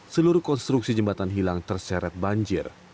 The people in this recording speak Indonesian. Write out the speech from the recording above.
seluruh konstruksi jembatan hilang terseret banjir